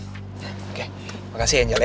oke makasih angel ya